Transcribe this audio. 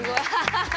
ハハハハ！